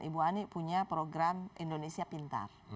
ibu ani punya program indonesia pintar